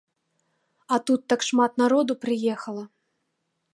А тут так шмат народу прыехала.